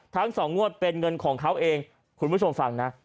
ทั้งสองงวดเป็นเงินของเขาเองคุณผู้ชมฟังนะ